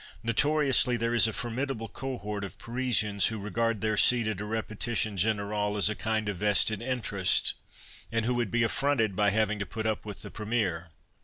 Notoriously, there is a formidable cohort of Parisians who regard their seat at a repetition generale as a kind of vested interest, and who would be affronted by having to put up with the premiere.